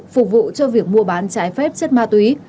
phục vụ cho việc mua bán trái phép chất ma túy